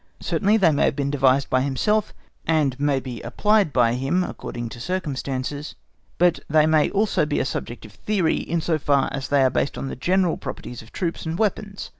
Certainly they may have been devised by himself, and may be applied by him according to circumstances, but they may also be a subject of theory, in so far as they are based on the general properties of troops and weapons.